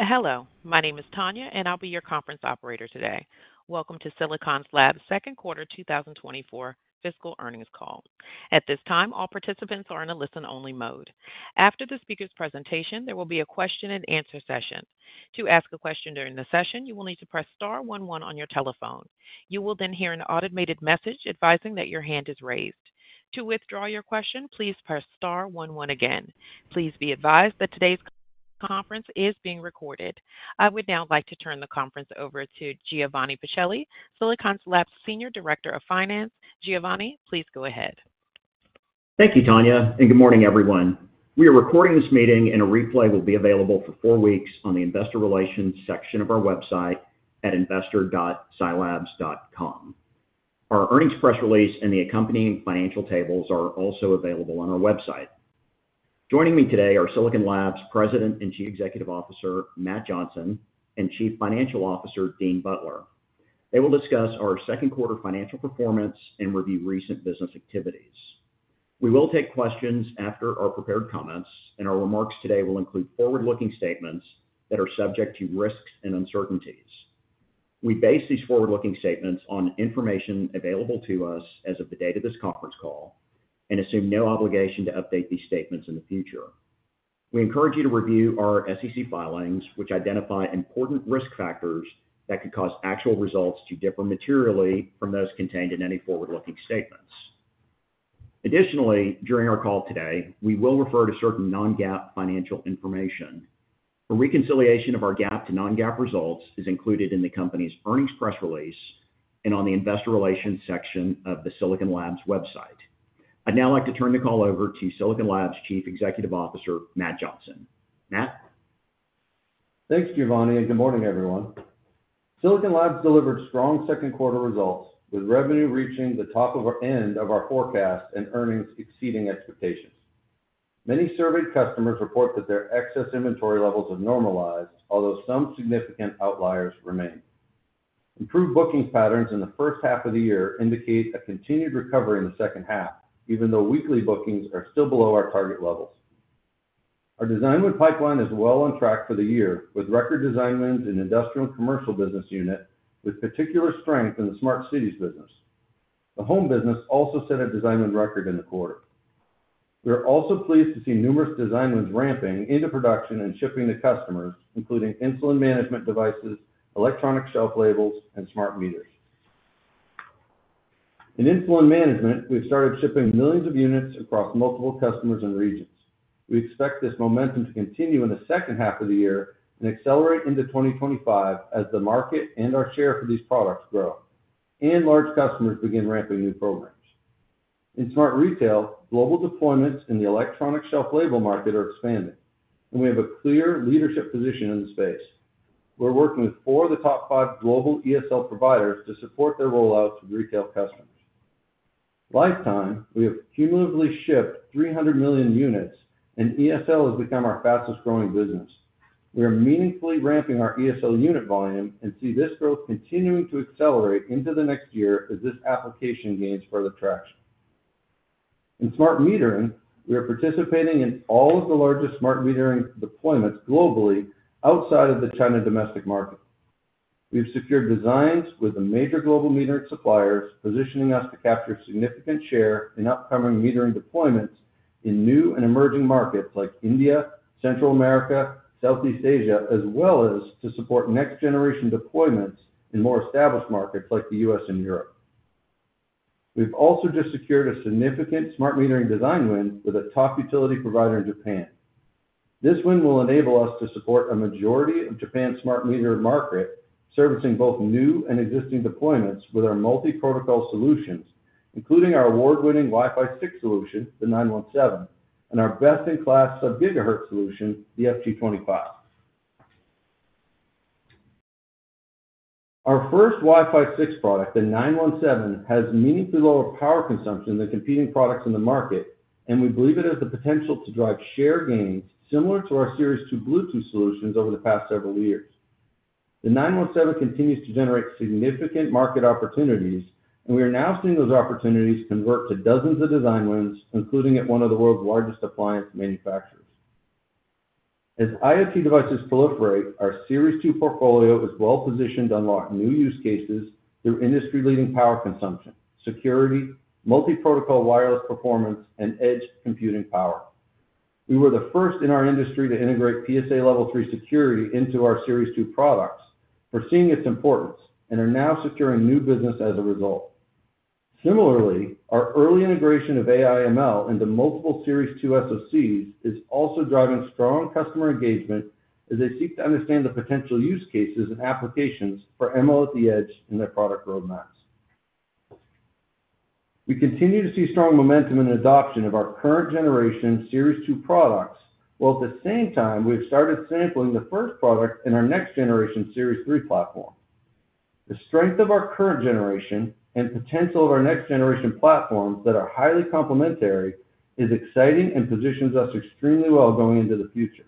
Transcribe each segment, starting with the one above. Hello. My name is Tanya, and I'll be your conference operator today. Welcome to Silicon Labs' second quarter 2024 fiscal earnings call. At this time, all participants are in a listen-only mode. After the speaker's presentation, there will be a question-and-answer session. To ask a question during the session, you will need to press star one one on your telephone. You will then hear an automated message advising that your hand is raised. To withdraw your question, please press star one one again. Please be advised that today's conference is being recorded. I would now like to turn the conference over to Giovanni Pacelli, Silicon Labs' Senior Director of Finance. Giovanni, please go ahead. Thank you, Tanya, and good morning, everyone. We are recording this meeting, and a replay will be available for four weeks on the investor relations section of our website at investor.silabs.com. Our earnings press release and the accompanying financial tables are also available on our website. Joining me today are Silicon Labs' President and Chief Executive Officer, Matt Johnson, and Chief Financial Officer, Dean Butler. They will discuss our second quarter financial performance and review recent business activities. We will take questions after our prepared comments, and our remarks today will include forward-looking statements that are subject to risks and uncertainties. We base these forward-looking statements on information available to us as of the date of this conference call and assume no obligation to update these statements in the future. We encourage you to review our SEC filings, which identify important risk factors that could cause actual results to differ materially from those contained in any forward-looking statements. Additionally, during our call today, we will refer to certain non-GAAP financial information. A reconciliation of our GAAP to non-GAAP results is included in the company's earnings press release and on the investor relations section of the Silicon Labs website. I'd now like to turn the call over to Silicon Labs' Chief Executive Officer, Matt Johnson. Matt? Thanks, Giovanni, and good morning, everyone. Silicon Labs delivered strong second quarter results, with revenue reaching the top end of our forecast and earnings exceeding expectations. Many surveyed customers report that their excess inventory levels have normalized, although some significant outliers remain. Improved booking patterns in the first half of the year indicate a continued recovery in the second half, even though weekly bookings are still below our target levels. Our design pipeline is well on track for the year, with record design wins in Industrial and Commercial business unit, with particular strength in the smart cities business. The Home business also set a design win record in the quarter. We are also pleased to see numerous design wins ramping into production and shipping to customers, including insulin management devices, electronic shelf labels, and smart meters. In insulin management, we've started shipping millions of units across multiple customers and regions. We expect this momentum to continue in the second half of the year and accelerate into 2025 as the market and our share for these products grow and large customers begin ramping new programs. In smart retail, global deployments in the electronic shelf label market are expanding, and we have a clear leadership position in the space. We're working with four of the top five global ESL providers to support their rollout to retail customers. Lifetime, we have cumulatively shipped 300 million units, and ESL has become our fastest-growing business. We are meaningfully ramping our ESL unit volume and see this growth continuing to accelerate into the next year as this application gains further traction. In smart metering, we are participating in all of the largest smart metering deployments globally outside of the China domestic market. We've secured designs with the major global metering suppliers, positioning us to capture a significant share in upcoming metering deployments in new and emerging markets like India, Central America, Southeast Asia, as well as to support next-generation deployments in more established markets like the U.S. and Europe. We've also just secured a significant smart metering design win with a top utility provider in Japan. This win will enable us to support a majority of Japan's smart meter market, servicing both new and existing deployments with our multiprotocol solutions, including our award-winning Wi-Fi 6 solution, the 917, and our best-in-class sub-gigahertz solution, the FG25. Our first Wi-Fi 6 product, the 917, has meaningfully lower power consumption than competing products in the market, and we believe it has the potential to drive share gains similar to our Series 2 Bluetooth solutions over the past several years. The 917 continues to generate significant market opportunities, and we are now seeing those opportunities convert to dozens of design wins, including at one of the world's largest appliance manufacturers. As IoT devices proliferate, our Series 2 portfolio is well positioned to unlock new use cases through industry-leading power consumption, security, multiprotocol wireless performance, and edge computing power. We were the first in our industry to integrate PSA Level 3 security into our Series 2 products. We're seeing its importance and are now securing new business as a result. Similarly, our early integration of AI/ML into multiple Series 2 SoCs is also driving strong customer engagement as they seek to understand the potential use cases and applications for ML at the edge in their product roadmaps. We continue to see strong momentum in adoption of our current-generation Series 2 products, while at the same time, we have started sampling the first product in our next-generation Series 3 platform. The strength of our current generation and potential of our next-generation platforms that are highly complementary is exciting and positions us extremely well going into the future.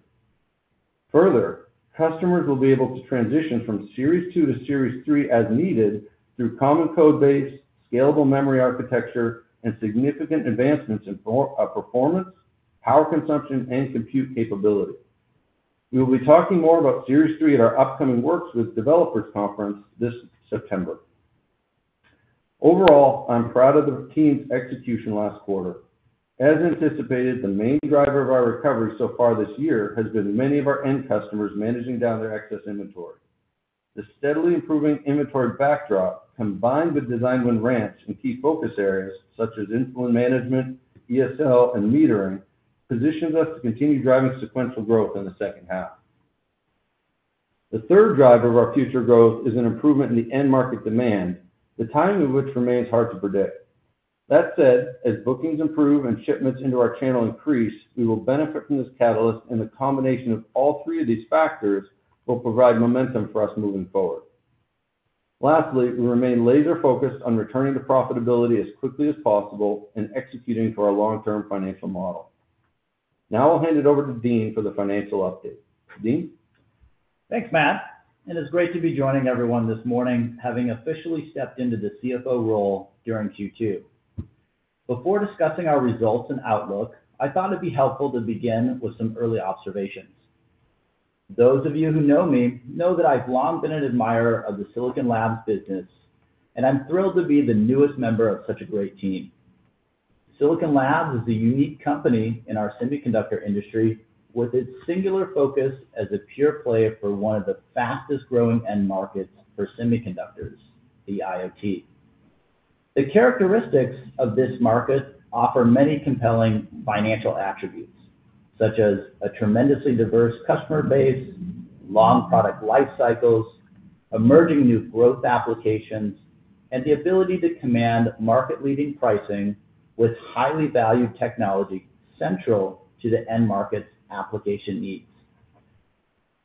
Further, customers will be able to transition from Series 2 to Series 3 as needed through common code-based, scalable memory architecture, and significant advancements in performance, power consumption, and compute capability. We will be talking more about Series 3 at our upcoming Works With Developers Conference this September. Overall, I'm proud of the team's execution last quarter. As anticipated, the main driver of our recovery so far this year has been many of our end customers managing down their excess inventory. The steadily improving inventory backdrop, combined with design win ramps in key focus areas such as insulin management, ESL, and metering, positions us to continue driving sequential growth in the second half. The third driver of our future growth is an improvement in the end market demand, the timing of which remains hard to predict. That said, as bookings improve and shipments into our channel increase, we will benefit from this catalyst, and the combination of all three of these factors will provide momentum for us moving forward. Lastly, we remain laser-focused on returning to profitability as quickly as possible and executing for our long-term financial model. Now I'll hand it over to Dean for the financial update. Dean? Thanks, Matt. It's great to be joining everyone this morning, having officially stepped into the CFO role during Q2. Before discussing our results and outlook, I thought it'd be helpful to begin with some early observations. Those of you who know me know that I've long been an admirer of the Silicon Labs business, and I'm thrilled to be the newest member of such a great team. Silicon Labs is a unique company in our semiconductor industry, with its singular focus as a pure player for one of the fastest-growing end markets for semiconductors, the IoT. The characteristics of this market offer many compelling financial attributes, such as a tremendously diverse customer base, long product life cycles, emerging new growth applications, and the ability to command market-leading pricing with highly valued technology central to the end market's application needs.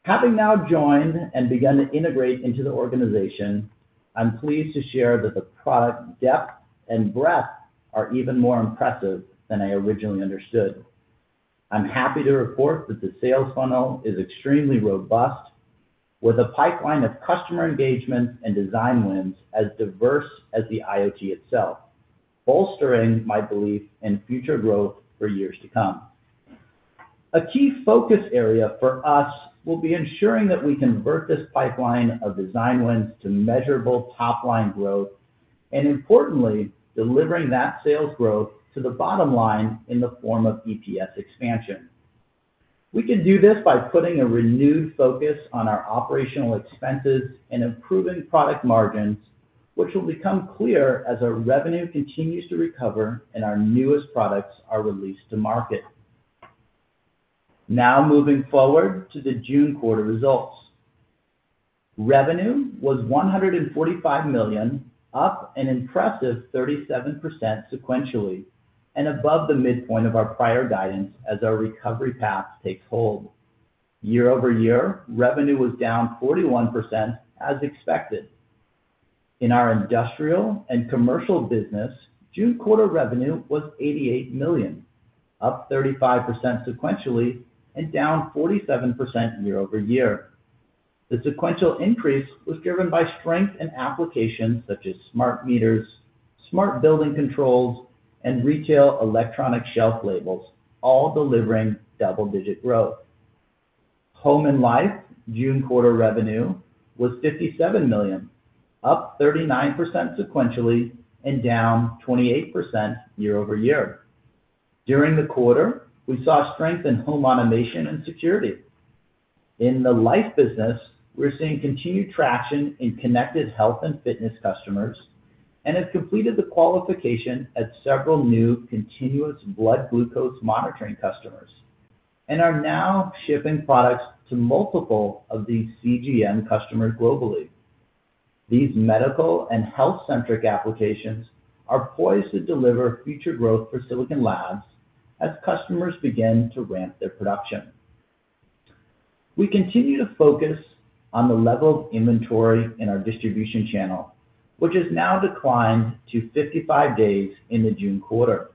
Having now joined and begun to integrate into the organization, I'm pleased to share that the product depth and breadth are even more impressive than I originally understood. I'm happy to report that the sales funnel is extremely robust, with a pipeline of customer engagements and design wins as diverse as the IoT itself, bolstering my belief in future growth for years to come. A key focus area for us will be ensuring that we convert this pipeline of design wins to measurable top-line growth, and importantly, delivering that sales growth to the bottom line in the form of EPS expansion. We can do this by putting a renewed focus on our operational expenses and improving product margins, which will become clear as our revenue continues to recover and our newest products are released to market. Now moving forward to the June quarter results. Revenue was $145 million, up an impressive 37% sequentially, and above the midpoint of our prior guidance as our recovery path takes hold. Year-over-year, revenue was down 41%, as expected. In our Industrial and Commercial business, June quarter revenue was $88 million, up 35% sequentially and down 47% year-over-year. The sequential increase was driven by strength in applications such as smart meters, smart building controls, and retail electronic shelf labels, all delivering double-digit growth. Home and Life June quarter revenue was $57 million, up 39% sequentially and down 28% year-over-year. During the quarter, we saw strength in home automation and security. In the Life business, we're seeing continued traction in connected health and fitness customers and have completed the qualification at several new continuous glucose monitoring customers and are now shipping products to multiple of these CGM customers globally. These medical and health-centric applications are poised to deliver future growth for Silicon Labs as customers begin to ramp their production. We continue to focus on the level of inventory in our distribution channel, which has now declined to 55 days in the June quarter.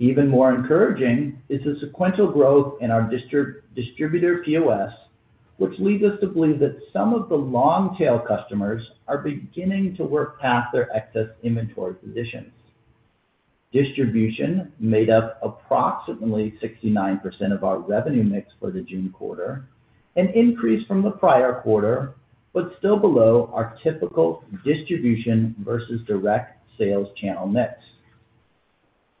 Even more encouraging is the sequential growth in our distributor POS, which leads us to believe that some of the long-tail customers are beginning to work past their excess inventory positions. Distribution made up approximately 69% of our revenue mix for the June quarter, an increase from the prior quarter, but still below our typical distribution versus direct sales channel mix.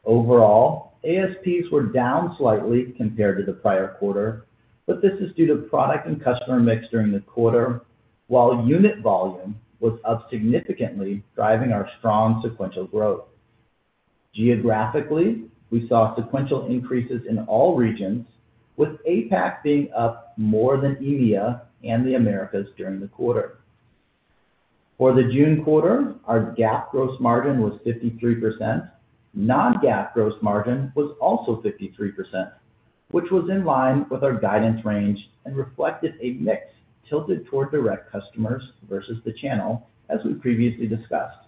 Overall, ASPs were down slightly compared to the prior quarter, but this is due to product and customer mix during the quarter, while unit volume was up significantly, driving our strong sequential growth. Geographically, we saw sequential increases in all regions, with APAC being up more than EMEA and the Americas during the quarter. For the June quarter, our GAAP gross margin was 53%. Non-GAAP gross margin was also 53%, which was in line with our guidance range and reflected a mix tilted toward direct customers versus the channel, as we previously discussed.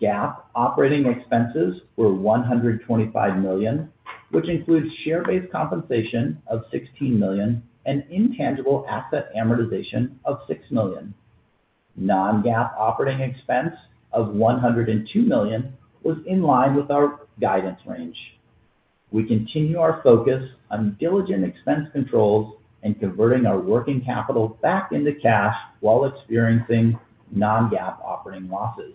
GAAP operating expenses were $125 million, which includes share-based compensation of $16 million and intangible asset amortization of $6 million. Non-GAAP operating expense of $102 million was in line with our guidance range. We continue our focus on diligent expense controls and converting our working capital back into cash while experiencing non-GAAP operating losses.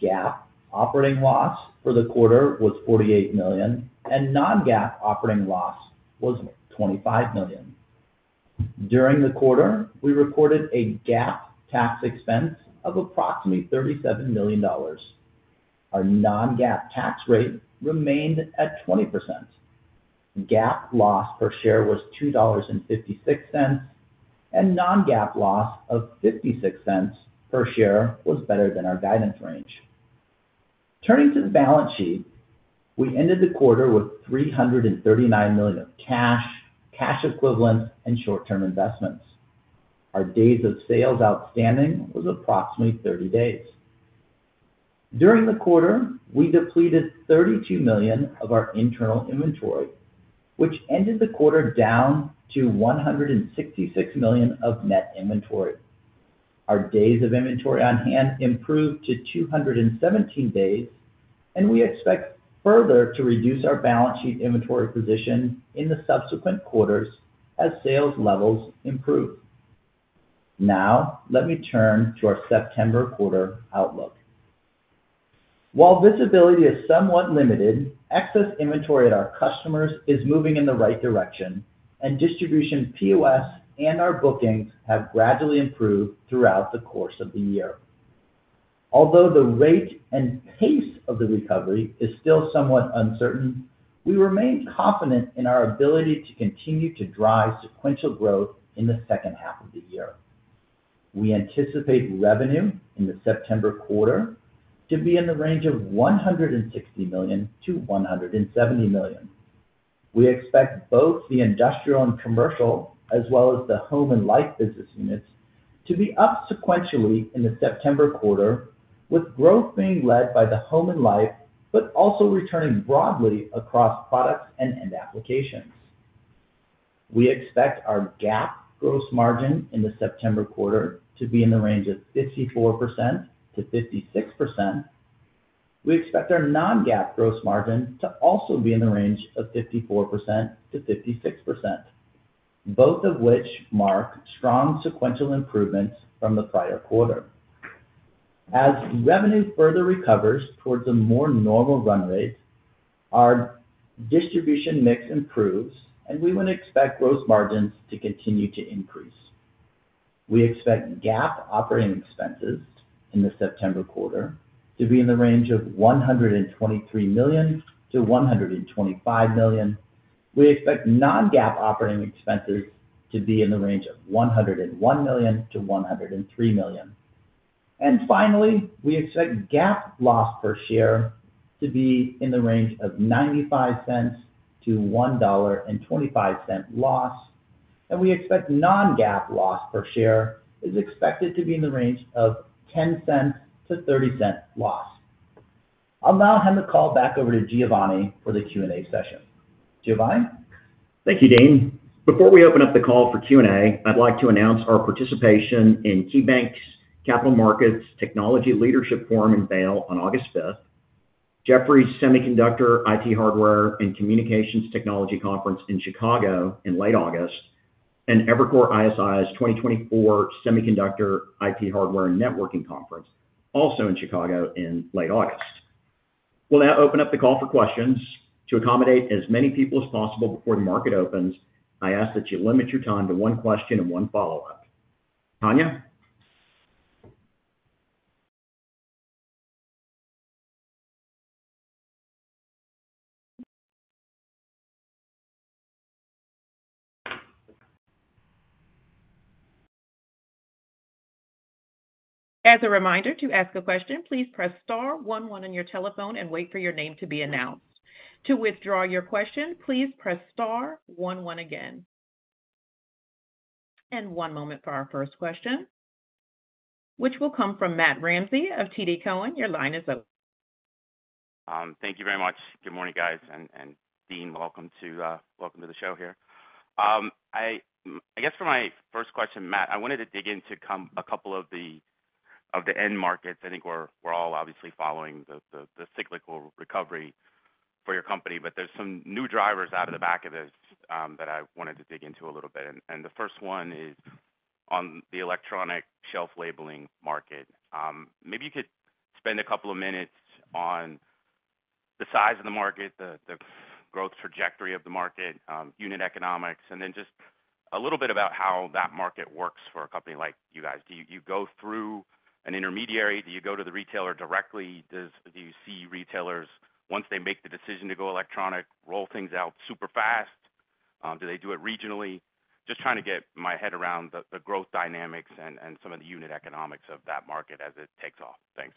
GAAP operating loss for the quarter was $48 million, and non-GAAP operating loss was $25 million. During the quarter, we recorded a GAAP tax expense of approximately $37 million. Our non-GAAP tax rate remained at 20%. GAAP loss per share was $2.56, and non-GAAP loss of $0.56 per share was better than our guidance range. Turning to the balance sheet, we ended the quarter with $339 million of cash, cash equivalents, and short-term investments. Our days of sales outstanding was approximately 30 days. During the quarter, we depleted $32 million of our internal inventory, which ended the quarter down to $166 million of net inventory. Our days of inventory on hand improved to 217 days, and we expect further to reduce our balance sheet inventory position in the subsequent quarters as sales levels improve. Now, let me turn to our September quarter outlook. While visibility is somewhat limited, excess inventory at our customers is moving in the right direction, and distribution POS and our bookings have gradually improved throughout the course of the year. Although the rate and pace of the recovery is still somewhat uncertain, we remain confident in our ability to continue to drive sequential growth in the second half of the year. We anticipate revenue in the September quarter to be in the range of $160 million-$170 million. We expect both the Industrial and Commercial, as well as the Home and Life business units, to be up sequentially in the September quarter, with growth being led by the Home and Life, but also returning broadly across products and end applications. We expect our GAAP gross margin in the September quarter to be in the range of 54%-56%. We expect our non-GAAP gross margin to also be in the range of 54%-56%, both of which mark strong sequential improvements from the prior quarter. As revenue further recovers towards a more normal run rate, our distribution mix improves, and we would expect gross margins to continue to increase. We expect GAAP operating expenses in the September quarter to be in the range of $123 million-$125 million. We expect non-GAAP operating expenses to be in the range of $101 million-$103 million. And finally, we expect GAAP loss per share to be in the range of $0.95-$1.25 loss, and we expect non-GAAP loss per share is expected to be in the range of $0.10-$0.30 loss. I'll now hand the call back over to Giovanni for the Q&A session. Giovanni? Thank you, Dean. Before we open up the call for Q&A, I'd like to announce our participation in KeyBanc's Capital Markets Technology Leadership Forum in Vail on August 5th, Jefferies' Semiconductor IT Hardware and Communications Technology Conference in Chicago in late August, and Evercore ISI's 2024 Semiconductor IT Hardware Networking Conference, also in Chicago in late August. We'll now open up the call for questions. To accommodate as many people as possible before the market opens, I ask that you limit your time to one question and one follow-up. Tanya? As a reminder, to ask a question, please press star one one on your telephone and wait for your name to be announced. To withdraw your question, please press star one one again. One moment for our first question, which will come from Matt Ramsay of TD Cowen. Your line is open. Thank you very much. Good morning, guys, and Dean, welcome to the show here. I guess for my first question, Matt, I wanted to dig into a couple of the end markets. I think we're all obviously following the cyclical recovery for your company, but there's some new drivers out of the back of this that I wanted to dig into a little bit. And the first one is on the electronic shelf labeling market. Maybe you could spend a couple of minutes on the size of the market, the growth trajectory of the market, unit economics, and then just a little bit about how that market works for a company like you guys. Do you go through an intermediary? Do you go to the retailer directly? Do you see retailers, once they make the decision to go electronic, roll things out super fast? Do they do it regionally? Just trying to get my head around the growth dynamics and some of the unit economics of that market as it takes off. Thanks.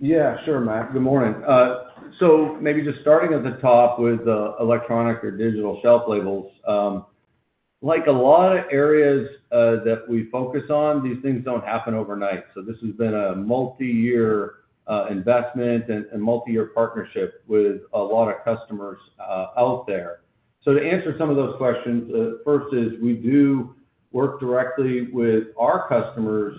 Yeah, sure, Matt. Good morning. So maybe just starting at the top with electronic or digital shelf labels, like a lot of areas that we focus on, these things don't happen overnight. So this has been a multi-year investment and multi-year partnership with a lot of customers out there. So to answer some of those questions, first is we do work directly with our customers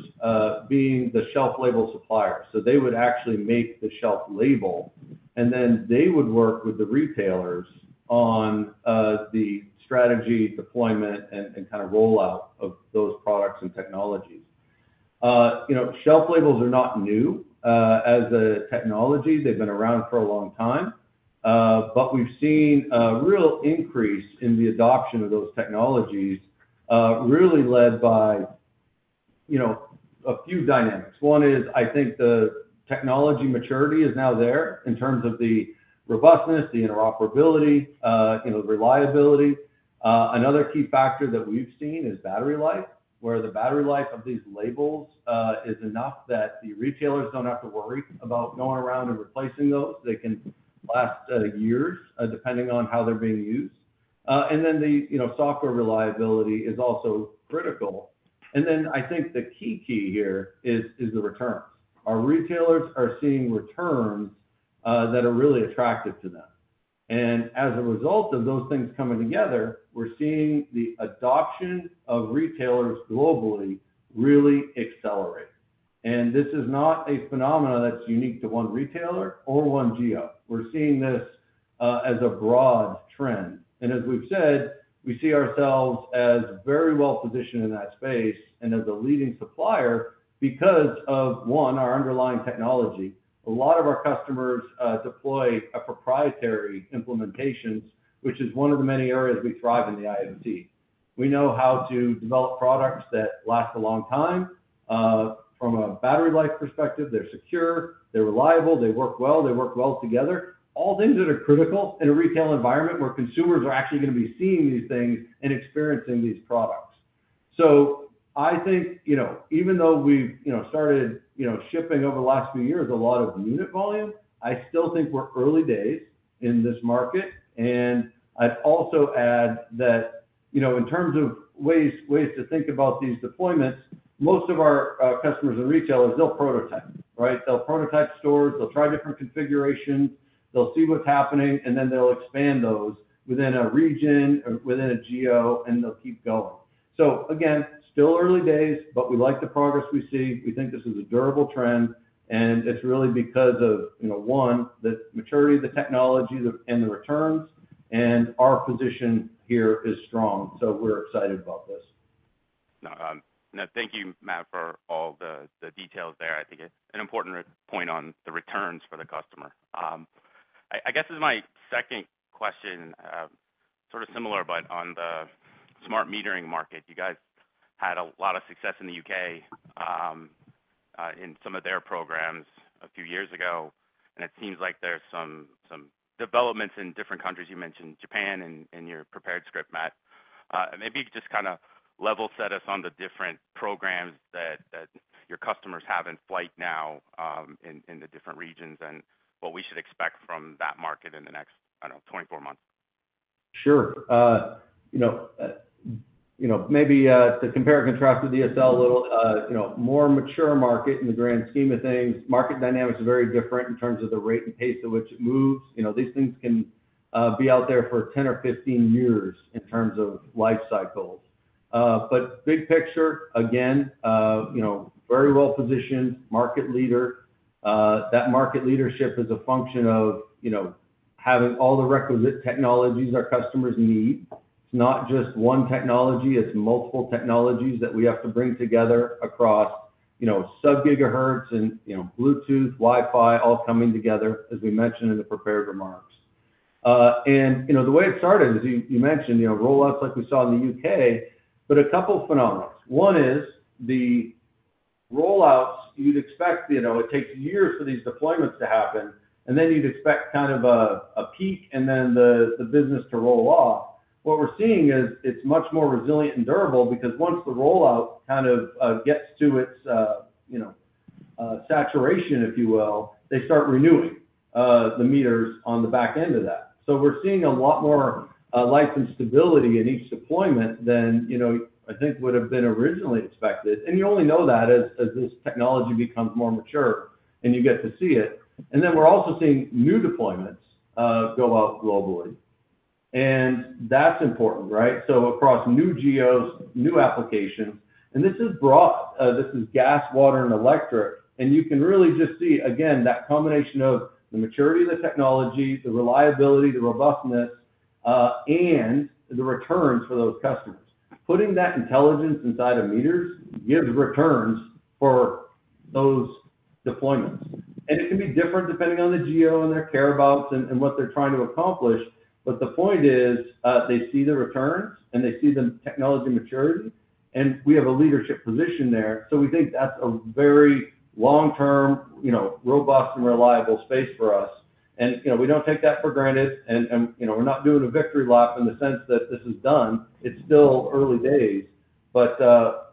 being the shelf label suppliers. So they would actually make the shelf label, and then they would work with the retailers on the strategy, deployment, and kind of rollout of those products and technologies. Shelf labels are not new as a technology. They've been around for a long time, but we've seen a real increase in the adoption of those technologies, really led by a few dynamics. One is I think the technology maturity is now there in terms of the robustness, the interoperability, the reliability. Another key factor that we've seen is battery life, where the battery life of these labels is enough that the retailers don't have to worry about going around and replacing those. They can last years, depending on how they're being used. And then the software reliability is also critical. And then I think the key key here is the returns. Our retailers are seeing returns that are really attractive to them. And as a result of those things coming together, we're seeing the adoption of retailers globally really accelerate. And this is not a phenomenon that's unique to one retailer or one GM. We're seeing this as a broad trend. And as we've said, we see ourselves as very well positioned in that space and as a leading supplier because of, one, our underlying technology. A lot of our customers deploy proprietary implementations, which is one of the many areas we thrive in the IoT. We know how to develop products that last a long time. From a battery life perspective, they're secure, they're reliable, they work well, they work well together, all things that are critical in a retail environment where consumers are actually going to be seeing these things and experiencing these products. So I think even though we've started shipping over the last few years a lot of unit volume, I still think we're early days in this market. And I'd also add that in terms of ways to think about these deployments, most of our customers and retailers, they'll prototype, right? They'll prototype stores, they'll try different configurations, they'll see what's happening, and then they'll expand those within a region, within a geo, and they'll keep going. So again, still early days, but we like the progress we see. We think this is a durable trend, and it's really because of, one, the maturity of the technology and the returns, and our position here is strong. So we're excited about this. No, thank you, Matt, for all the details there. I think it's an important point on the returns for the customer. I guess this is my second question, sort of similar, but on the smart metering market. You guys had a lot of success in the U.K. in some of their programs a few years ago, and it seems like there's some developments in different countries. You mentioned Japan, and your prepared script, Matt. Maybe you could just kind of level set us on the different programs that your customers have in flight now in the different regions and what we should expect from that market in the next, I don't know, 24 months. Sure. Maybe to compare and contrast with ESL a little, more mature market in the grand scheme of things. Market dynamics are very different in terms of the rate and pace at which it moves. These things can be out there for 10 or 15 years in terms of life cycles. But big picture, again, very well positioned, market leader. That market leadership is a function of having all the requisite technologies our customers need. It's not just one technology. It's multiple technologies that we have to bring together across sub-gigahertz and Bluetooth, Wi-Fi, all coming together, as we mentioned in the prepared remarks. And the way it started is you mentioned rollouts like we saw in the U.K., but a couple of phenomena. One is the rollouts. You'd expect it takes years for these deployments to happen, and then you'd expect kind of a peak and then the business to roll off. What we're seeing is it's much more resilient and durable because once the rollout kind of gets to its saturation, if you will, they start renewing the meters on the back end of that. So we're seeing a lot more life and stability in each deployment than I think would have been originally expected. And you only know that as this technology becomes more mature and you get to see it. And then we're also seeing new deployments go out globally. And that's important, right? So across new geos, new applications. And this is broad. This is gas, water, and electric. You can really just see, again, that combination of the maturity of the technology, the reliability, the robustness, and the returns for those customers. Putting that intelligence inside of meters gives returns for those deployments. It can be different depending on the geo and their care abouts and what they're trying to accomplish. But the point is they see the returns and they see the technology maturity, and we have a leadership position there. We think that's a very long-term, robust, and reliable space for us. We don't take that for granted, and we're not doing a victory lap in the sense that this is done. It's still early days, but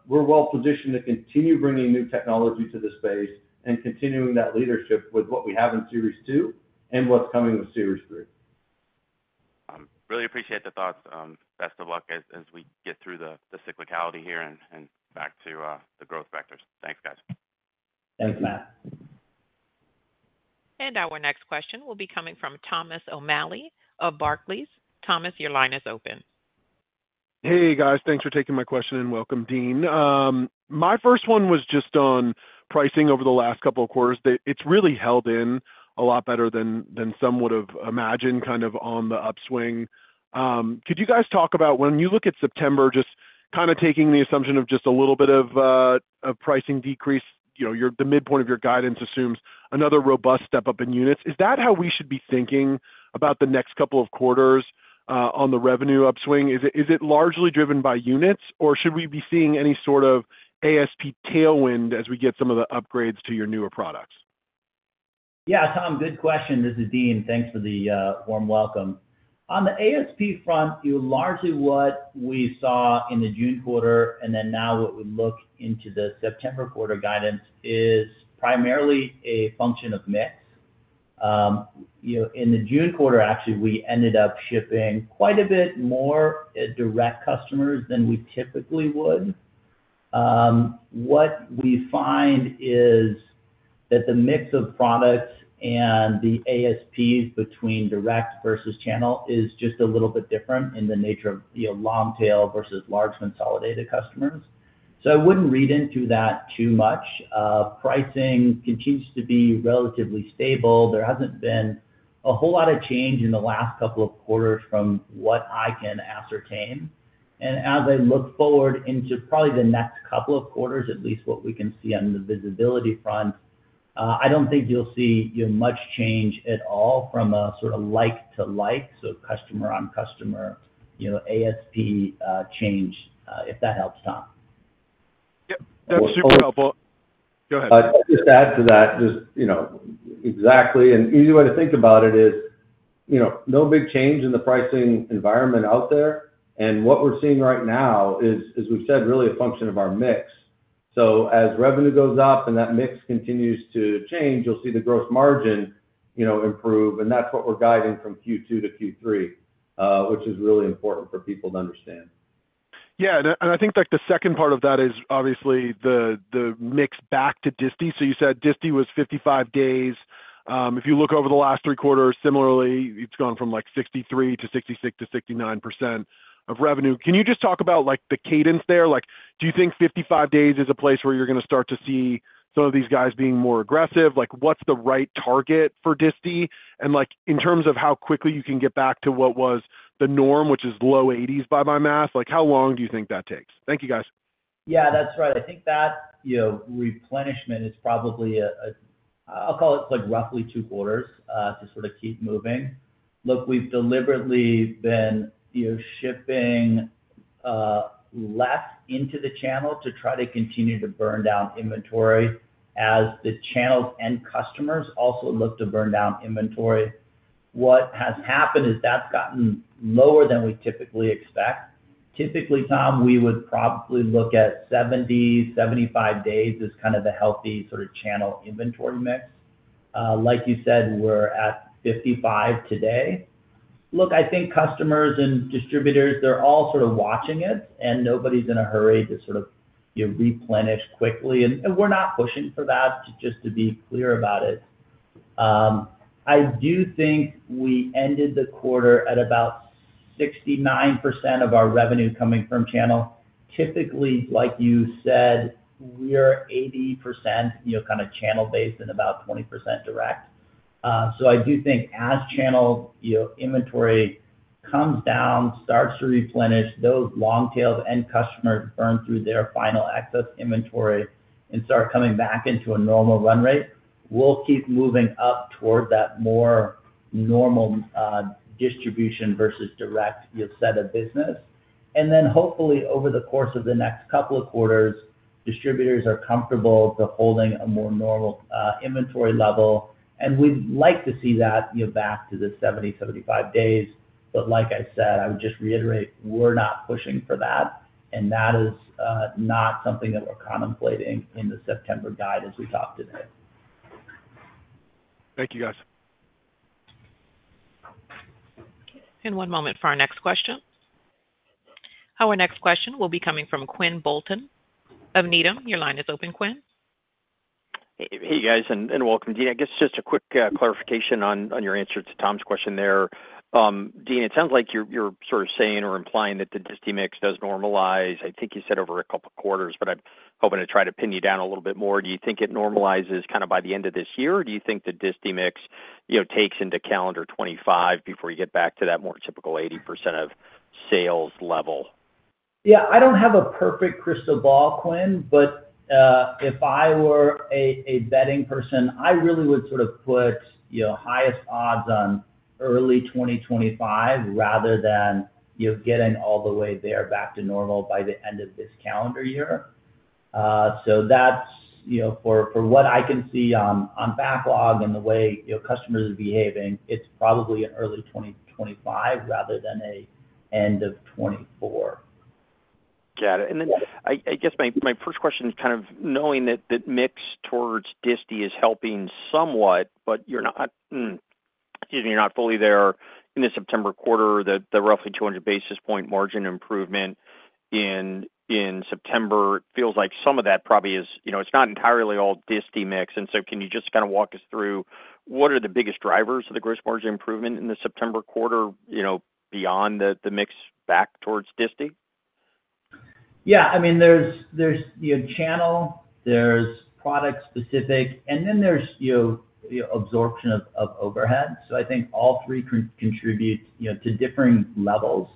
we're well positioned to continue bringing new technology to the space and continuing that leadership with what we have in Series 2 and what's coming with Series 3. Really appreciate the thoughts. Best of luck as we get through the cyclicality here and back to the growth vectors. Thanks, guys. Thanks, Matt. Our next question will be coming from Thomas O'Malley of Barclays. Thomas, your line is open. Hey, guys. Thanks for taking my question and welcome, Dean. My first one was just on pricing over the last couple of quarters. It's really held in a lot better than some would have imagined kind of on the upswing. Could you guys talk about when you look at September, just kind of taking the assumption of just a little bit of pricing decrease, the midpoint of your guidance assumes another robust step up in units. Is that how we should be thinking about the next couple of quarters on the revenue upswing? Is it largely driven by units, or should we be seeing any sort of ASP tailwind as we get some of the upgrades to your newer products? Yeah, Tom, good question. This is Dean. Thanks for the warm welcome. On the ASP front, largely what we saw in the June quarter and then now what we look into the September quarter guidance is primarily a function of mix. In the June quarter, actually, we ended up shipping quite a bit more direct customers than we typically would. What we find is that the mix of products and the ASPs between direct versus channel is just a little bit different in the nature of long tail versus large consolidated customers. So I wouldn't read into that too much. Pricing continues to be relatively stable. There hasn't been a whole lot of change in the last couple of quarters from what I can ascertain. As I look forward into probably the next couple of quarters, at least what we can see on the visibility front, I don't think you'll see much change at all from a sort of like to like, so customer on customer ASP change, if that helps, Tom. Yep. That's super helpful. Go ahead. I'd just add to that just exactly. An easy way to think about it is no big change in the pricing environment out there. And what we're seeing right now is, as we've said, really a function of our mix. So as revenue goes up and that mix continues to change, you'll see the gross margin improve, and that's what we're guiding from Q2 to Q3, which is really important for people to understand. Yeah. And I think the second part of that is obviously the mix back to disti. So you said disti was 55 days. If you look over the last three quarters, similarly, it's gone from like 63% to 66% to 69% of revenue. Can you just talk about the cadence there? Do you think 55 days is a place where you're going to start to see some of these guys being more aggressive? What's the right target for disti? And in terms of how quickly you can get back to what was the norm, which is low 80s% by my math, how long do you think that takes? Thank you, guys. Yeah, that's right. I think that replenishment is probably, I'll call it roughly two quarters to sort of keep moving. Look, we've deliberately been shipping less into the channel to try to continue to burn down inventory as the channels and customers also look to burn down inventory. What has happened is that's gotten lower than we typically expect. Typically, Tom, we would probably look at 70, 75 days as kind of the healthy sort of channel inventory mix. Like you said, we're at 55 today. Look, I think customers and distributors, they're all sort of watching it, and nobody's in a hurry to sort of replenish quickly. And we're not pushing for that, just to be clear about it. I do think we ended the quarter at about 69% of our revenue coming from channel. Typically, like you said, we're 80% kind of channel based and about 20% direct. So I do think as channel inventory comes down, starts to replenish, those long tails and customers burn through their final access inventory and start coming back into a normal run rate. We'll keep moving up toward that more normal distribution versus direct set of business. And then hopefully, over the course of the next couple of quarters, distributors are comfortable to holding a more normal inventory level. And we'd like to see that back to the 70-75 days. But like I said, I would just reiterate, we're not pushing for that. And that is not something that we're contemplating in the September guide as we talk today. Thank you, guys. One moment for our next question. Our next question will be coming from Quinn Bolton of Needham. Your line is open, Quinn. Hey, guys, and welcome, Dean. I guess just a quick clarification on your answer to Tom's question there. Dean, it sounds like you're sort of saying or implying that the disti mix does normalize. I think you said over a couple of quarters, but I'm hoping to try to pin you down a little bit more. Do you think it normalizes kind of by the end of this year? Or do you think the disti mix takes into calendar 2025 before you get back to that more typical 80% of sales level? Yeah, I don't have a perfect crystal ball, Quinn, but if I were a betting person, I really would sort of put highest odds on early 2025 rather than getting all the way there back to normal by the end of this calendar year. So for what I can see on backlog and the way customers are behaving, it's probably an early 2025 rather than an end of 2024. Got it. Then I guess my first question is kind of knowing that mix towards disti is helping somewhat, but you're not fully there in the September quarter, the roughly 200 basis points margin improvement in September. It feels like some of that probably is it's not entirely all disti mix. So can you just kind of walk us through what are the biggest drivers of the gross margin improvement in the September quarter beyond the mix back towards disti? Yeah. I mean, there's channel, there's product-specific, and then there's absorption of overhead. So I think all three contribute to differing levels.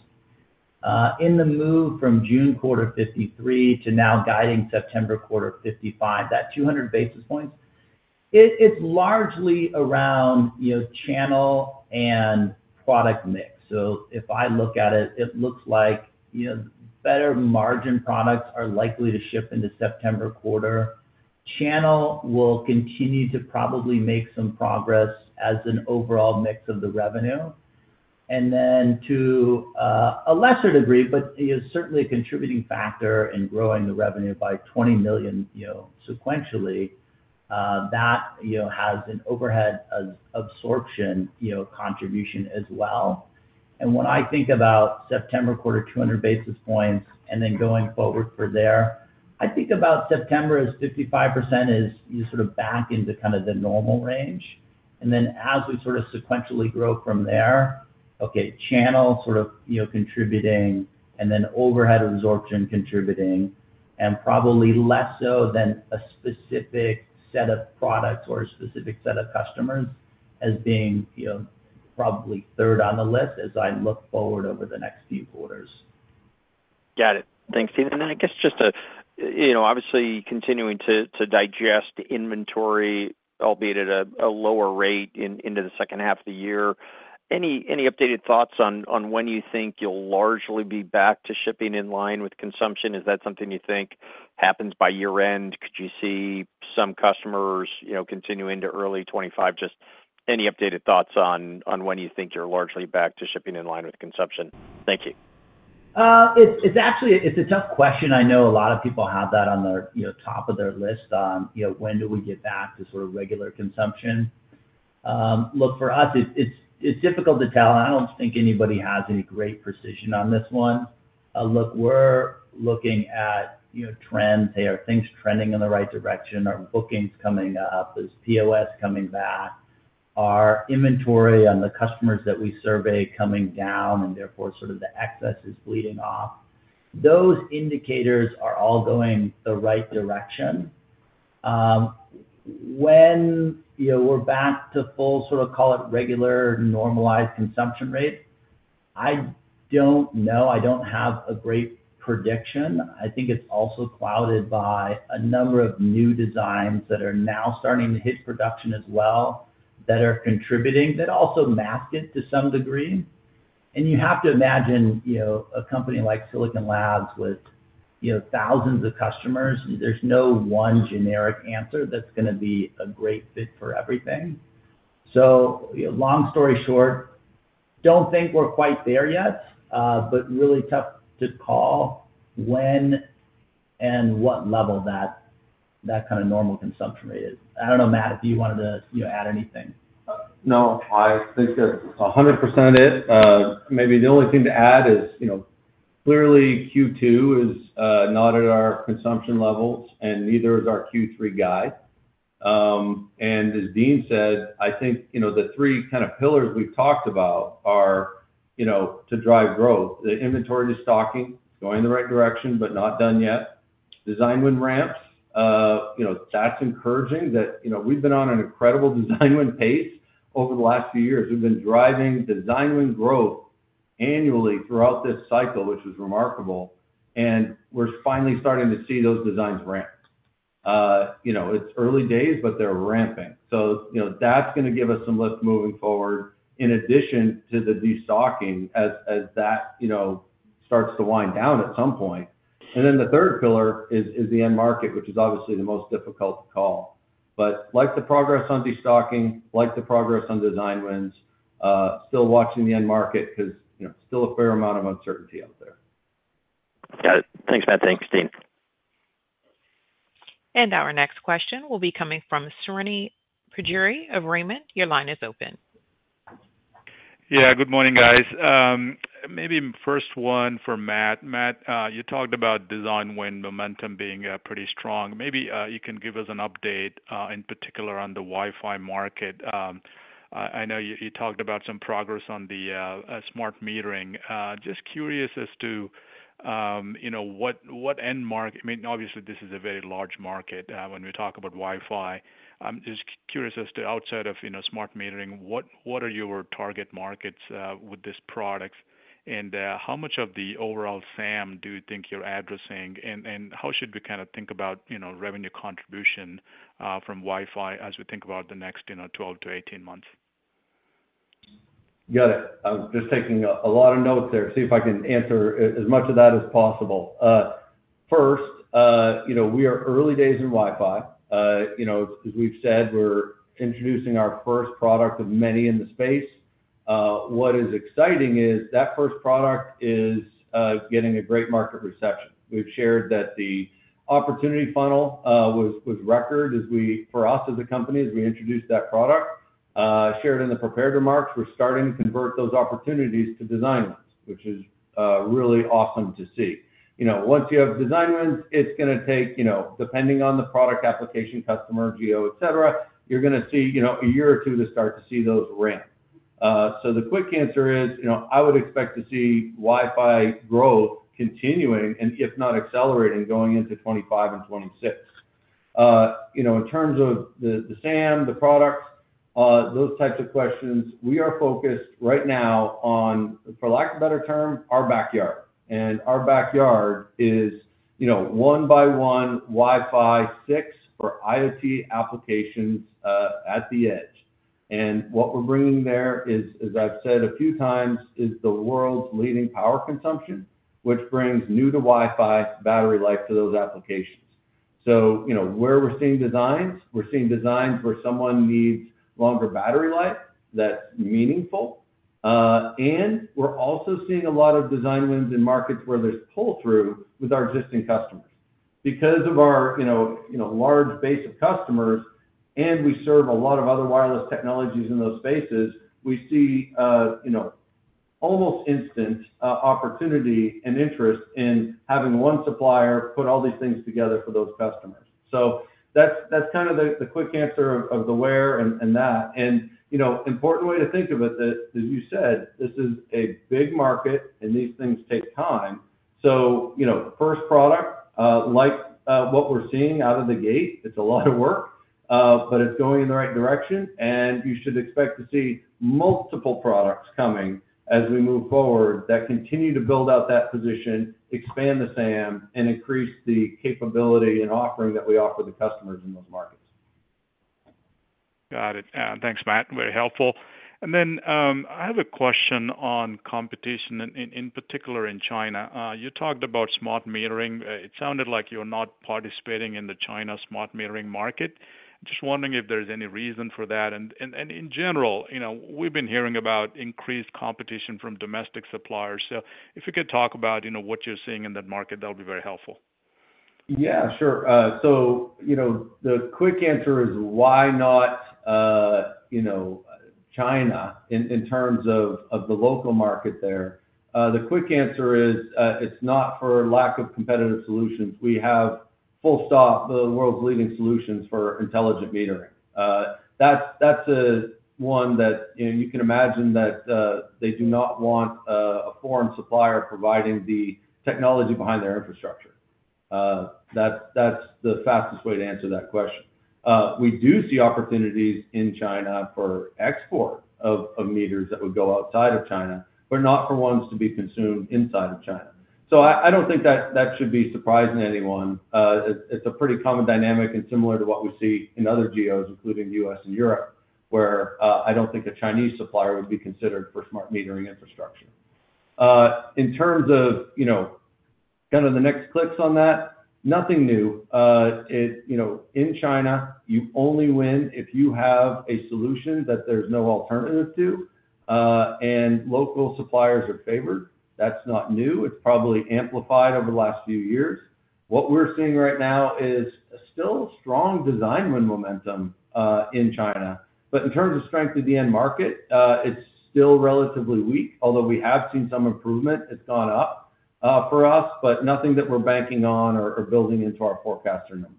In the move from June quarter 53% to now guiding September quarter 55%, that 200 basis points, it's largely around channel and product mix. So if I look at it, it looks like better margin products are likely to shift into September quarter. Channel will continue to probably make some progress as an overall mix of the revenue. And then to a lesser degree, but certainly a contributing factor in growing the revenue by $20 million sequentially, that has an overhead absorption contribution as well. And when I think about September quarter, 200 basis points, and then going forward from there, I think about September as 55% is sort of back into kind of the normal range. And then as we sort of sequentially grow from there, okay, channel sort of contributing, and then overhead absorption contributing, and probably less so than a specific set of products or a specific set of customers as being probably third on the list as I look forward over the next few quarters. Got it. Thanks, Dean. And I guess just obviously continuing to digest inventory, albeit at a lower rate into the second half of the year. Any updated thoughts on when you think you'll largely be back to shipping in line with consumption? Is that something you think happens by year-end? Could you see some customers continuing to early 2025? Just any updated thoughts on when you think you're largely back to shipping in line with consumption? Thank you. It's a tough question. I know a lot of people have that on the top of their list on when do we get back to sort of regular consumption. Look, for us, it's difficult to tell. I don't think anybody has any great precision on this one. Look, we're looking at trends. Are things trending in the right direction? Are bookings coming up? Is POS coming back? Are inventory on the customers that we survey coming down? And therefore, sort of the excess is bleeding off. Those indicators are all going the right direction. When we're back to full, sort of call it regular normalized consumption rate, I don't know. I don't have a great prediction. I think it's also clouded by a number of new designs that are now starting to hit production as well that are contributing, that also mask it to some degree. You have to imagine a company like Silicon Labs with thousands of customers. There's no one generic answer that's going to be a great fit for everything. So long story short, don't think we're quite there yet, but really tough to call when and what level that kind of normal consumption rate is. I don't know, Matt, if you wanted to add anything. No, I think that 100% of it. Maybe the only thing to add is clearly Q2 is not at our consumption levels, and neither is our Q3 guide. As Dean said, I think the three kind of pillars we've talked about are to drive growth. The inventory stocking is going in the right direction, but not done yet. Design win ramps, that's encouraging that we've been on an incredible design win pace over the last few years. We've been driving design win growth annually throughout this cycle, which was remarkable. We're finally starting to see those designs ramp. It's early days, but they're ramping. That's going to give us some lift moving forward, in addition to the destocking as that starts to wind down at some point. Then the third pillar is the end market, which is obviously the most difficult to call. But like the progress on destocking, like the progress on design wins, still watching the end market because still a fair amount of uncertainty out there. Got it. Thanks, Matt. Thanks, Dean. Our next question will be coming from Srini Pajjuri of Raymond James. Your line is open. Yeah, good morning, guys. Maybe first one for Matt. Matt, you talked about design win momentum being pretty strong. Maybe you can give us an update in particular on the Wi-Fi market. I know you talked about some progress on the smart metering. Just curious as to what end market, I mean, obviously, this is a very large market when we talk about Wi-Fi. I'm just curious as to outside of smart metering, what are your target markets with this product? And how much of the overall SAM do you think you're addressing? And how should we kind of think about revenue contribution from Wi-Fi as we think about the next 10 or 12 to 18 months? Got it. I'm just taking a lot of notes there. See if I can answer as much of that as possible. First, we are early days in Wi-Fi. As we've said, we're introducing our first product of many in the space. What is exciting is that first product is getting a great market reception. We've shared that the opportunity funnel was record for us as a company as we introduced that product. Shared in the prepared remarks, we're starting to convert those opportunities to design wins, which is really awesome to see. Once you have design wins, it's going to take, depending on the product application, customer, geo, etc., you're going to see a year or two to start to see those ramp. So the quick answer is I would expect to see Wi-Fi growth continuing and, if not accelerating, going into 2025 and 2026. In terms of the SAM, the products, those types of questions, we are focused right now on, for lack of a better term, our backyard. Our backyard is 1x1 Wi-Fi 6 or IoT applications at the edge. What we're bringing there is, as I've said a few times, the world's leading power consumption, which brings new-to-Wi-Fi battery life to those applications. Where we're seeing designs where someone needs longer battery life that's meaningful. We're also seeing a lot of design wins in markets where there's pull-through with our existing customers. Because of our large base of customers and we serve a lot of other wireless technologies in those spaces, we see almost instant opportunity and interest in having one supplier put all these things together for those customers. That's kind of the quick answer of the where and that. An important way to think of it, as you said, this is a big market and these things take time. So first product, like what we're seeing out of the gate, it's a lot of work, but it's going in the right direction. And you should expect to see multiple products coming as we move forward that continue to build out that position, expand the SAM, and increase the capability and offering that we offer the customers in those markets. Got it. Thanks, Matt. Very helpful. Then I have a question on competition, in particular in China. You talked about smart metering. It sounded like you're not participating in the China smart metering market. Just wondering if there's any reason for that. In general, we've been hearing about increased competition from domestic suppliers. If you could talk about what you're seeing in that market, that would be very helpful. Yeah, sure. So the quick answer is why not China in terms of the local market there? The quick answer is it's not for lack of competitive solutions. We have full stop, the world's leading solutions for intelligent metering. That's one that you can imagine that they do not want a foreign supplier providing the technology behind their infrastructure. That's the fastest way to answer that question. We do see opportunities in China for export of meters that would go outside of China, but not for ones to be consumed inside of China. So I don't think that should be surprising anyone. It's a pretty common dynamic and similar to what we see in other geos, including the U.S. and Europe, where I don't think a Chinese supplier would be considered for smart metering infrastructure. In terms of kind of the next clicks on that, nothing new. In China, you only win if you have a solution that there's no alternative to. Local suppliers are favored. That's not new. It's probably amplified over the last few years. What we're seeing right now is still strong design win momentum in China. In terms of strength in the end market, it's still relatively weak, although we have seen some improvement. It's gone up for us, but nothing that we're banking on or building into our forecaster numbers.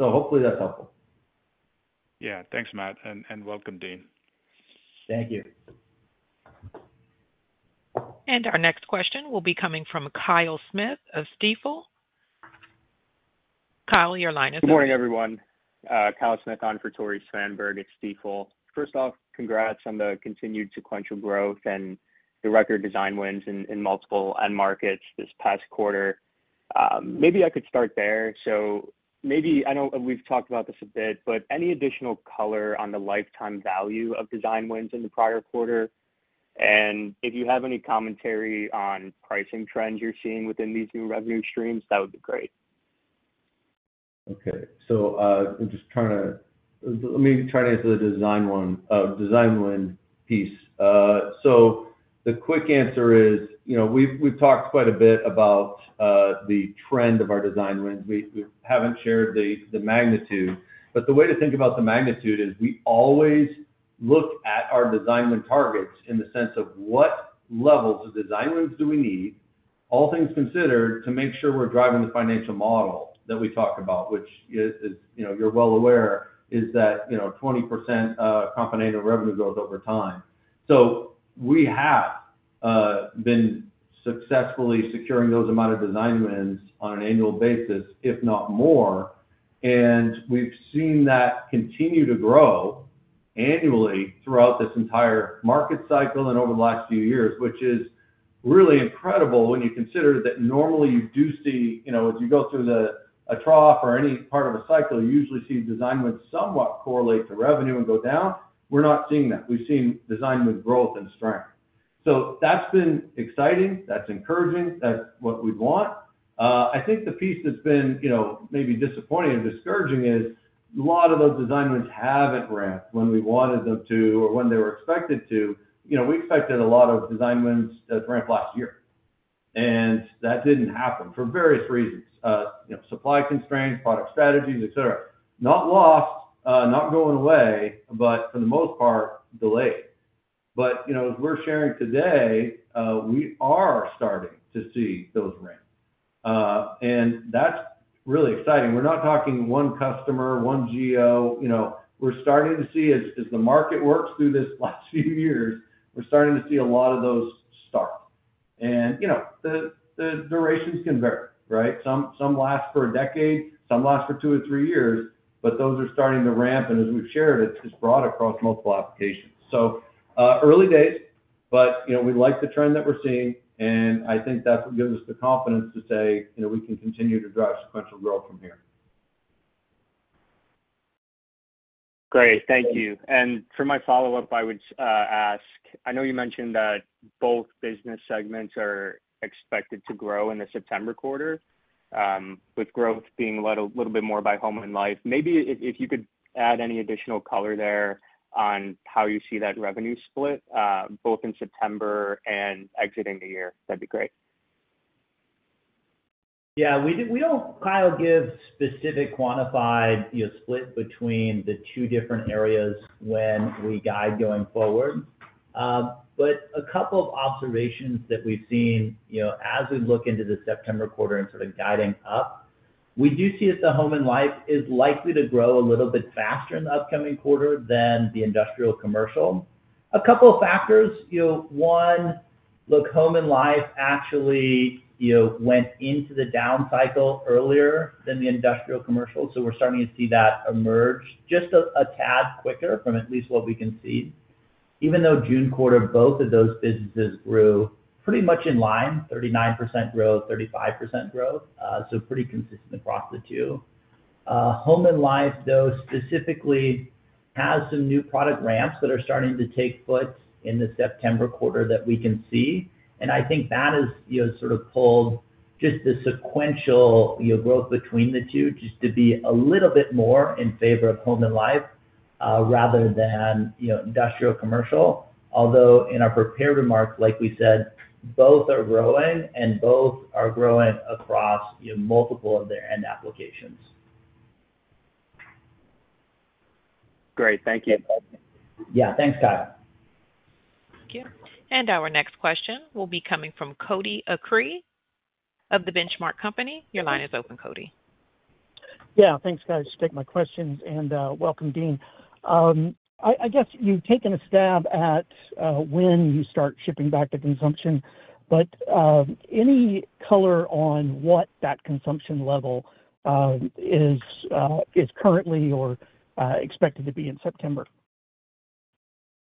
Hopefully that's helpful. Yeah. Thanks, Matt. And welcome, Dean. Thank you. Our next question will be coming from Kyle Smith of Stifel. Kyle, your line is up. Good morning, everyone. Kyle Smith on for Tore Svanberg at Stifel. First off, congrats on the continued sequential growth and the record design wins in multiple end markets this past quarter. Maybe I could start there. So maybe I know we've talked about this a bit, but any additional color on the lifetime value of design wins in the prior quarter? And if you have any commentary on pricing trends you're seeing within these new revenue streams, that would be great. Okay. So I'm just trying to answer the design win piece. So the quick answer is we've talked quite a bit about the trend of our design wins. We haven't shared the magnitude. But the way to think about the magnitude is we always look at our design win targets in the sense of what levels of design wins do we need, all things considered, to make sure we're driving the financial model that we talk about, which, as you're well aware, is that 20% compound annual revenue growth over time. So we have been successfully securing those amount of design wins on an annual basis, if not more. We've seen that continue to grow annually throughout this entire market cycle and over the last few years, which is really incredible when you consider that normally you do see as you go through a trough or any part of a cycle, you usually see design wins somewhat correlate to revenue and go down. We're not seeing that. We've seen design win growth and strength. So that's been exciting. That's encouraging. That's what we'd want. I think the piece that's been maybe disappointing or discouraging is a lot of those design wins haven't ramped when we wanted them to or when they were expected to. We expected a lot of design wins to ramp last year. And that didn't happen for various reasons: supply constraints, product strategies, etc. Not lost, not going away, but for the most part, delayed. But as we're sharing today, we are starting to see those ramp. And that's really exciting. We're not talking one customer, one geo. We're starting to see, as the market works through this last few years, we're starting to see a lot of those start. And the durations can vary, right? Some last for a decade, some last for two or three years, but those are starting to ramp. And as we've shared, it's broad across multiple applications. So early days, but we like the trend that we're seeing. And I think that's what gives us the confidence to say we can continue to drive sequential growth from here. Great. Thank you. For my follow-up, I would ask, I know you mentioned that both business segments are expected to grow in the September quarter, with growth being a little bit more by Home and Life. Maybe if you could add any additional color there on how you see that revenue split, both in September and exiting the year, that'd be great. Yeah. We don't, Kyle, give specific quantified split between the two different areas when we guide going forward. But a couple of observations that we've seen as we look into the September quarter and sort of guiding up, we do see as the Home and Life is likely to grow a little bit faster in the upcoming quarter than the industrial commercial. A couple of factors. One, look, Home and Life actually went into the down cycle earlier than the industrial commercial. So we're starting to see that emerge just a tad quicker from at least what we can see. Even though June quarter, both of those businesses grew pretty much in line, 39% growth, 35% growth, so pretty consistent across the two. Home and Life, though, specifically has some new product ramps that are starting to take foot in the September quarter that we can see. I think that has sort of pulled just the sequential growth between the two just to be a little bit more in favor of Home and Life rather than industrial commercial. Although in our prepared remarks, like we said, both are growing and both are growing across multiple of their end applications. Great. Thank you. Yeah. Thanks, Kyle. Thank you. And our next question will be coming from Cody Acree of The Benchmark Company. Your line is open, Cody. Yeah. Thanks, guys. Take my questions and welcome, Dean. I guess you've taken a stab at when you start shipping back to consumption, but any color on what that consumption level is currently or expected to be in September?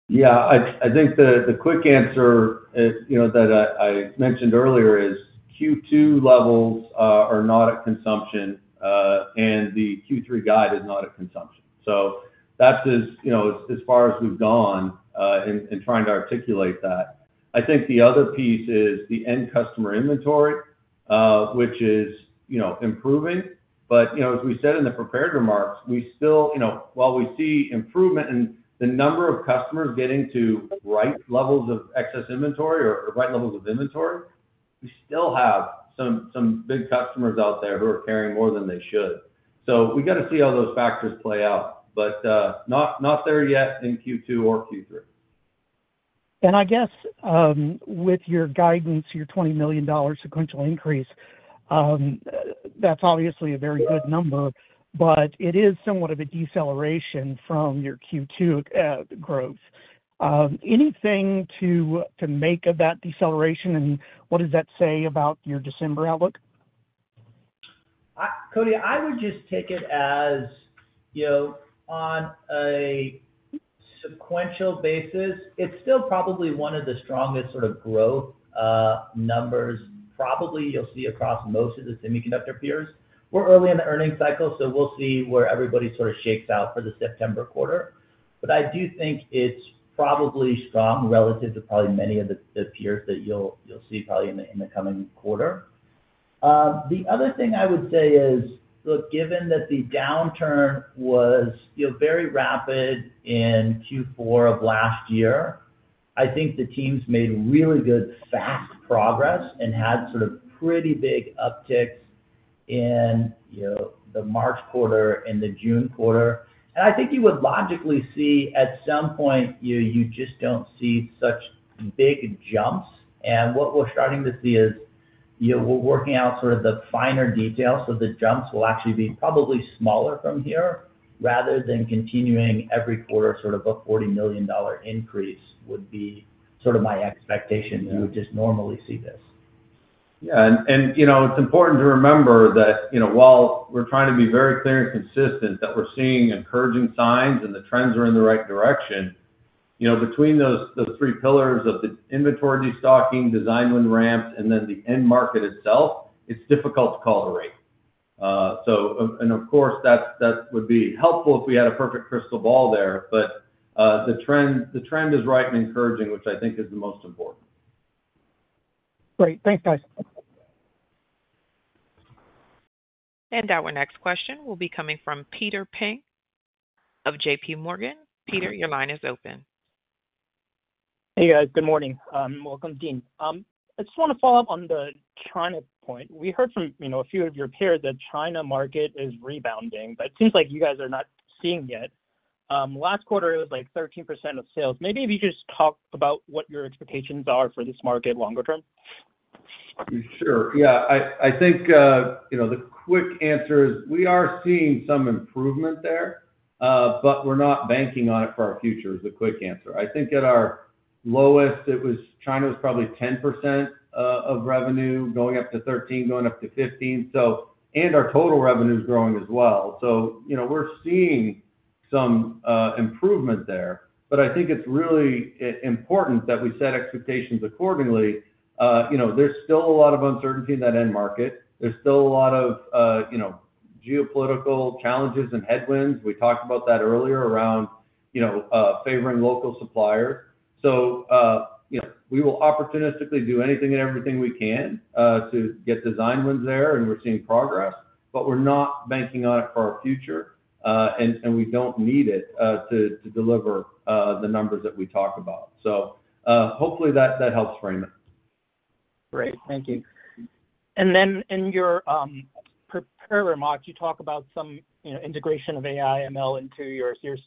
Yeah. I think the quick answer that I mentioned earlier is Q2 levels are not at consumption and the Q3 guide is not at consumption. So that's as far as we've gone in trying to articulate that. I think the other piece is the end customer inventory, which is improving. But as we said in the prepared remarks, we still, while we see improvement in the number of customers getting to right levels of excess inventory or right levels of inventory, we still have some big customers out there who are carrying more than they should. So we got to see how those factors play out, but not there yet in Q2 or Q3. I guess with your guidance, your $20 million sequential increase, that's obviously a very good number, but it is somewhat of a deceleration from your Q2 growth. Anything to make of that deceleration and what does that say about your December outlook? Cody, I would just take it as on a sequential basis, it's still probably one of the strongest sort of growth numbers probably you'll see across most of the semiconductor peers. We're early in the earnings cycle, so we'll see where everybody sort of shakes out for the September quarter. But I do think it's probably strong relative to probably many of the peers that you'll see probably in the coming quarter. The other thing I would say is, look, given that the downturn was very rapid in Q4 of last year, I think the teams made really good fast progress and had sort of pretty big upticks in the March quarter and the June quarter. I think you would logically see at some point you just don't see such big jumps. What we're starting to see is we're working out sort of the finer details. So the jumps will actually be probably smaller from here rather than continuing every quarter sort of a $40 million increase would be sort of my expectation. You would just normally see this. Yeah. And it's important to remember that while we're trying to be very clear and consistent that we're seeing encouraging signs and the trends are in the right direction, between those three pillars of the inventory destocking, design win ramps, and then the end market itself, it's difficult to call a rate. And of course, that would be helpful if we had a perfect crystal ball there, but the trend is right and encouraging, which I think is the most important. Great. Thanks, guys. Our next question will be coming from Peter Peng of JPMorgan. Peter, your line is open. Hey, guys. Good morning. Welcome, Dean. I just want to follow up on the China point. We heard from a few of your peers that China market is rebounding, but it seems like you guys are not seeing yet. Last quarter, it was like 13% of sales. Maybe if you just talk about what your expectations are for this market longer term. Sure. Yeah. I think the quick answer is we are seeing some improvement there, but we're not banking on it for our future is the quick answer. I think at our lowest, China was probably 10% of revenue going up to 13%, going up to 15%. And our total revenue is growing as well. So we're seeing some improvement there. But I think it's really important that we set expectations accordingly. There's still a lot of uncertainty in that end market. There's still a lot of geopolitical challenges and headwinds. We talked about that earlier around favoring local suppliers. So we will opportunistically do anything and everything we can to get design wins there, and we're seeing progress, but we're not banking on it for our future, and we don't need it to deliver the numbers that we talk about. So hopefully that helps frame it. Great. Thank you. And then in your prepared remarks, you talk about some integration of AI/ML into your Series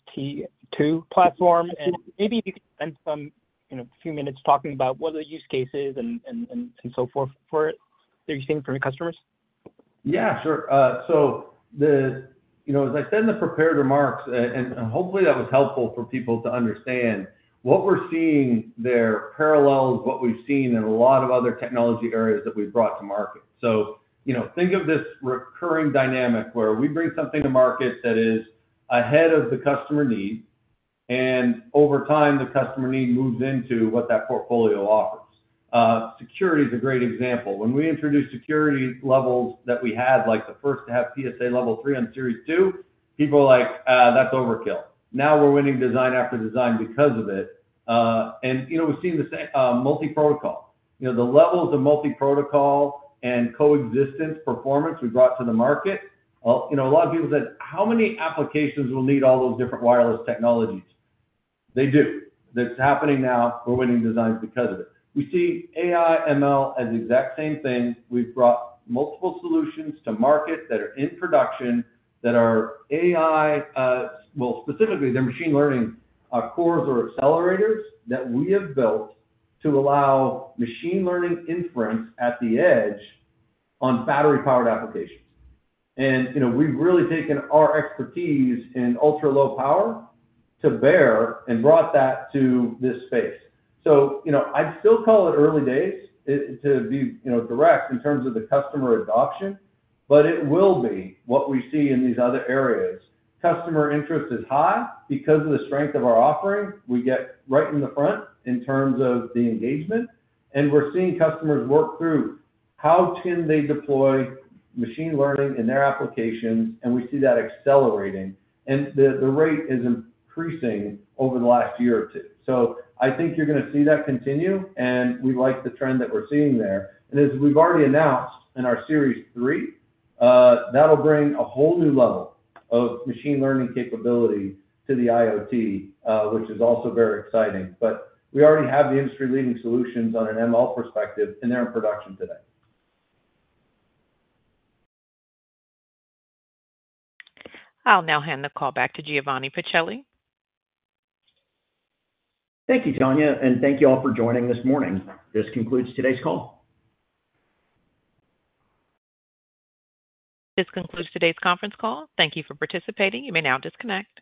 2 platform. And maybe if you could spend a few minutes talking about what are the use cases and so forth that you're seeing from your customers? Yeah. Sure. So as I said in the prepared remarks, and hopefully that was helpful for people to understand, what we're seeing there parallels what we've seen in a lot of other technology areas that we've brought to market. So think of this recurring dynamic where we bring something to market that is ahead of the customer need, and over time, the customer need moves into what that portfolio offers. Security is a great example. When we introduced security levels that we had, like the first to have PSA Level 3 on Series 2, people were like, "That's overkill." Now we're winning design after design because of it. And we've seen the same multiprotocol. The levels of multiprotocol and coexistence performance we brought to the market, a lot of people said, "How many applications will need all those different wireless technologies?" They do. That's happening now. We're winning designs because of it. We see AI/ML as the exact same thing. We've brought multiple solutions to market that are in production that are AI, well, specifically, they're machine learning cores or accelerators that we have built to allow machine learning inference at the edge on battery-powered applications. And we've really taken our expertise in ultra-low power to bear and brought that to this space. So I'd still call it early days to be direct in terms of the customer adoption, but it will be what we see in these other areas. Customer interest is high because of the strength of our offering. We get right in the front in terms of the engagement. And we're seeing customers work through how can they deploy machine learning in their applications, and we see that accelerating. And the rate is increasing over the last year or two. So I think you're going to see that continue, and we like the trend that we're seeing there. And as we've already announced in our Series 3, that'll bring a whole new level of machine learning capability to the IoT, which is also very exciting. But we already have the industry-leading solutions on an ML perspective, and they're in production today. I'll now hand the call back to Giovanni Pacelli. Thank you, Tanya. Thank you all for joining this morning. This concludes today's call. This concludes today's conference call. Thank you for participating. You may now disconnect.